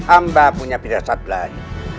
amba punya pindah saat lain